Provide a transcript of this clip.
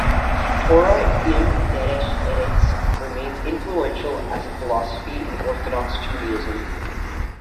"Torah im Derech Eretz" remains influential as a philosophy in Orthodox Judaism.